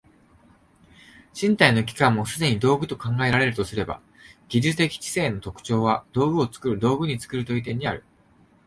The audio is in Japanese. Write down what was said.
身体の器官もすでに道具と考えられるとすれば、技術的知性の特徴は道具を作る道具を作るという点にある。